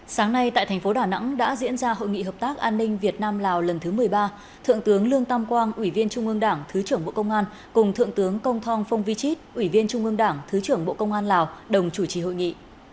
sáng nay tại thành phố đà nẵng đã diễn ra hội nghị hợp tác an ninh việt nam lào lần thứ một mươi ba thượng tướng lương tam quang ủy viên trung ương đảng thứ trưởng bộ công an cùng thượng tướng công thong phong vi chít ủy viên trung ương đảng thứ trưởng bộ công an lào đồng chủ trì hội nghị